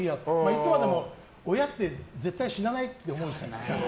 いつまでも親って絶対に死なないって思うじゃない。